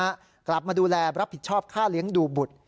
ที่เป็นทหารกลับมาดูแลรับผิดชอบค่าเลี้ยงดูบุตร